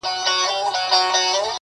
زما په ژوند کي يې زما رگونه ټول وزبېښل~